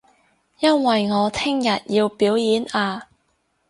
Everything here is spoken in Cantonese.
因為我聽日要表演啊